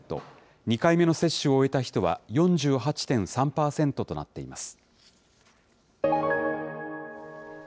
２回目の接種を終えた人は４８．３％となっています。